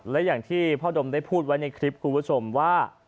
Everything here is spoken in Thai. และอย่างที่พ่อดมได้พูดไว้ในคลิปคุณผู้ชมว่า